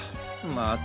また？